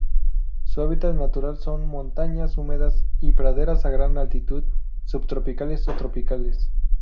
Su hábitat natural son: montañas húmedas y praderas a gran altitud, subtropicales o tropicales.